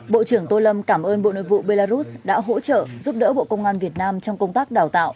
bộ trưởng tô lâm cảm ơn bộ nội vụ belarus đã hỗ trợ giúp đỡ bộ công an việt nam trong công tác đào tạo